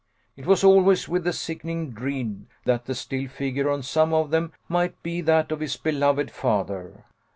It was always with the sickening dread that the still figure on some one of them might be that of his beloved father.